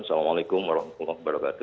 assalamualaikum wr wb